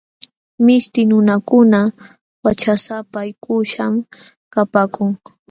Mishti nunakuna wachasapaykuśhqam kapaakun.